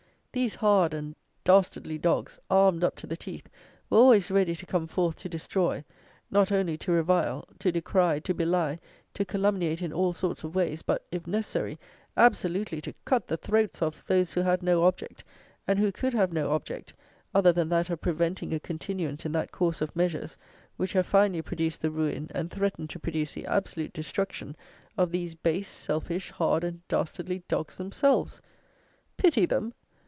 These hard and dastardly dogs, armed up to the teeth, were always ready to come forth to destroy, not only to revile, to decry, to belie, to calumniate in all sorts of ways, but, if necessary, absolutely to cut the throats of, those who had no object, and who could have no object, other than that of preventing a continuance in that course of measures, which have finally produced the ruin, and threaten to produce the absolute destruction, of these base, selfish, hard and dastardly dogs themselves. Pity them!